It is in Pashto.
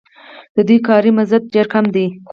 د دوی کاري مزد ډېر کم دی